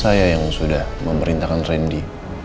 saya yang sudah memerintahkan randy